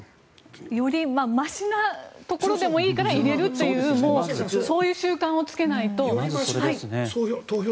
よりましなところでもいいから入れるというそういう習慣をつけないと。